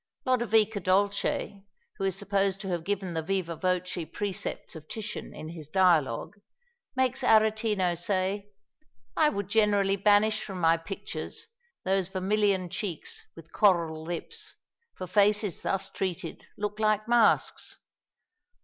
Lodovico Dolce, who is supposed to have given the vivâ voce precepts of Titian in his Dialogue, makes Aretino say: "I would generally banish from my pictures those vermilion cheeks with coral lips; for faces thus treated look like masks.